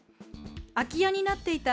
空き家になっていた